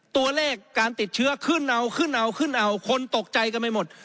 ตัวเลขการติดเชื้อขึ้นเอาขึ้นเอาขึ้นเอาคนตกใจกันไปหมด